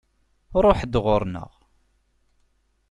Ṛuḥ-d ɣuṛ-nneɣ!